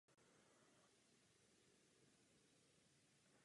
Boty All Star se staly první masově vyráběnou basketbalovou obuví v severní Americe.